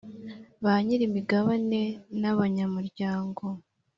ba nyiri imigabane n abanyamuryango